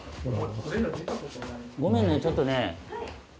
ごめんねちょっとね。